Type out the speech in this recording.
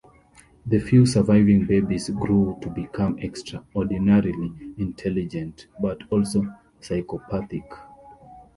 The few surviving babies grew to become extraordinarily intelligent-but also psychopathic.